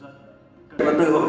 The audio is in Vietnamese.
một cái tin thẳng là